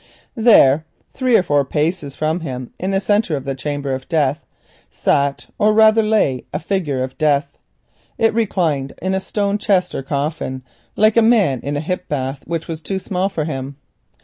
There, three or four paces from him, in the centre of the chamber of Death sat or rather lay a figure of Death. It reclined in a stone chest or coffin, like a man in a hip bath which is too small for him.